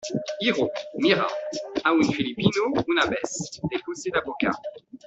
hijo, mira , a un filipino una vez , le puse la boca...